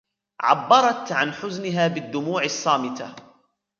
عَبّرتْ عن حزنها بالدموع الصامتة.